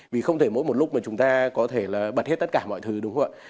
vì không thể mỗi một lúc mà chúng ta có thể là bật hết tất cả mọi thứ đúng không ạ